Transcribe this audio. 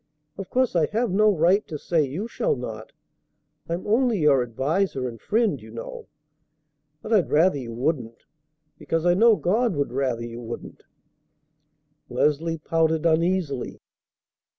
Of course I have no right to say you shall not. I'm only your adviser and friend, you know. But I'd rather you wouldn't, because I know God would rather you wouldn't." Leslie pouted uneasily.